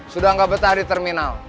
sudah nggak betah di terminal